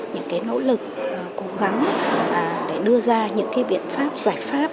những cái nỗ lực cố gắng để đưa ra những biện pháp giải pháp